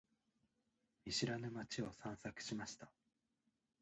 見知らぬ街を散策しました。